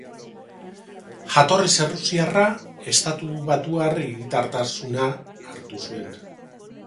Jatorriz errusiarra, estatubatuar hiritartasuna hartu zuen.